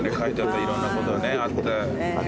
いろんなことねあって。